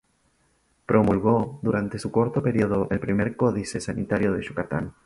Promulgó durante su corto periodo el primer Códice Sanitario de Yucatán.